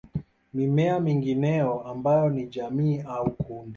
Mimea mingineyo ambayo ni jamii au kundi